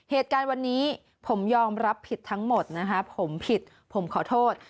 เหตุการณ์วันนี้ผมยอมรับผิดทั้งหมดนะฮะผมผิดผมขอโทษ